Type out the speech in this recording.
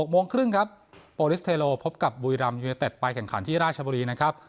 โมงครึ่งครับโอลิสเทโลพบกับบุรีรัมยูเนเต็ดไปแข่งขันที่ราชบุรีนะครับ